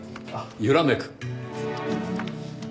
『ゆらめく』。